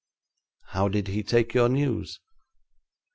'How did he take your news?'